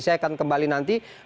saya akan kembali nanti